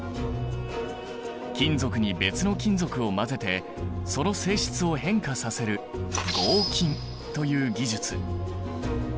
金属に別の金属を混ぜてその性質を変化させる合金という技術。